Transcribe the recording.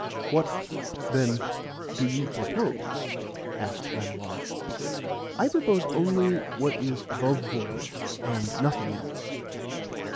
"What, then, do you propose?" asked Manilov. "I propose only what is above board, and nothing else."